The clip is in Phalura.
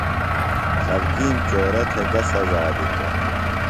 خلکِیم چورہ تھےۡ گہ سزا دِتوۡ؟